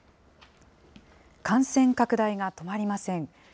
感染拡大が止まりません。